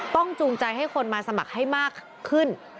จูงใจให้คนมาสมัครให้มากขึ้น